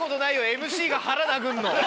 ＭＣが腹殴んの。